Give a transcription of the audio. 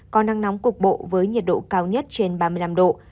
có nắng nóng cục bộ với nhiệt độ cao nhất trên ba mươi năm độ